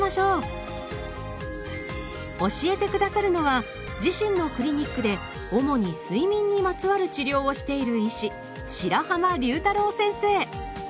教えて下さるのは自身のクリニックで主に睡眠にまつわる治療をしている医師